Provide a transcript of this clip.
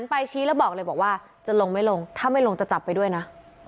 ไปชี้แล้วบอกเลยบอกว่าจะลงไม่ลงถ้าไม่ลงจะจับไปด้วยนะ